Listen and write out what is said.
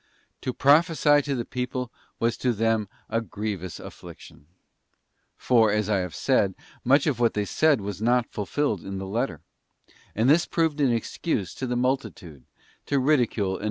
To prophesy to the people was to them a grievous affliction; for, as I have said, much of what they said was not fulfilled in the letter, and this proved an excuse to the multitude to ridicule and mock * 3 Kings xi.